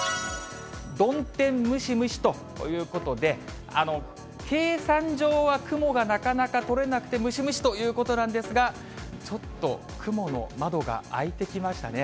曇天ムシムシということで、計算上は雲がなかなか取れなくて、ムシムシということなんですが、ちょっと雲の窓が開いてきましたね。